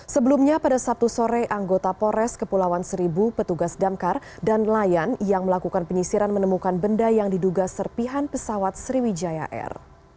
sebelumnya pada sabtu sore anggota pores kepulauan seribu petugas damkar dan layan yang melakukan penyisiran menemukan benda yang diduga serpihan pesawat sriwijaya air